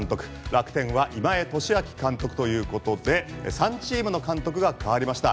楽天は今江敏晃監督ということで３チームの監督が代わりました。